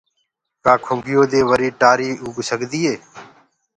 ڪآ کِنگيو دي وري ٽآري ڦوُٽ سڪدي هي۔